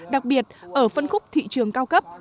đặc biệt ở phân khúc thị trường cao cấp